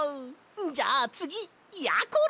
じゃあつぎやころ！